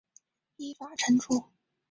依法惩处